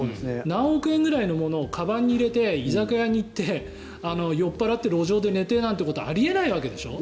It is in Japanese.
何億円ぐらいのものをかばんに入れて、居酒屋に行って酔っ払って路上に寝てなんてことあり得ないわけでしょ？